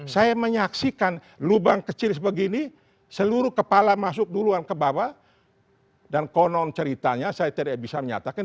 saya menyaksikan lubang kecil sebegini seluruh kepala masuk duluan ke bawah dan konon ceritanya saya tidak bisa menyatakan